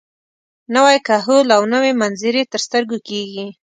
نوی کهول او نوې منظرې تر سترګو کېږي.